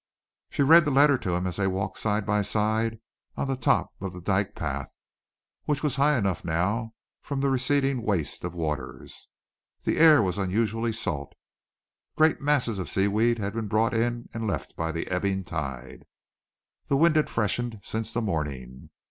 She read the letter to him as they walked side by side on the top of the dyke path, which was high enough now from the receding waste of waters. The air was unusually salt. Great masses of seaweed had been brought in and left by the ebbing tide. The wind had freshened since the morning.